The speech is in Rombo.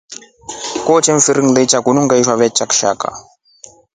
Kute mfiri umu ngaita halya kitumsa ngaishwa veteta kishaka.